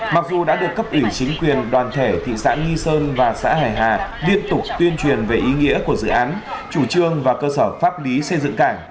mặc dù đã được cấp ủy chính quyền đoàn thể thị xã nghi sơn và xã hải hà liên tục tuyên truyền về ý nghĩa của dự án chủ trương và cơ sở pháp lý xây dựng cảng